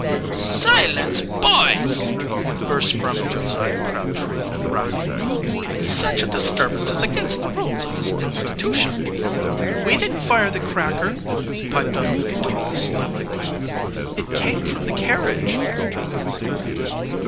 "Silence, boys!" burst from Josiah Crabtree wrathfully. "Such a disturbance is against the rules of this institution." "We didn't fire the cracker," piped up a tall, slim boy. "It came from the carriage."